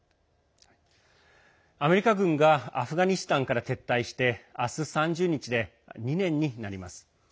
アメリカ軍がアフガニスタンから撤退して明日、３０日で２年になります。